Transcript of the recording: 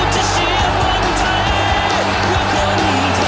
จะสู้ไปด้วยกัน